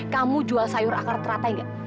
kamu jual sayur akar teratai nggak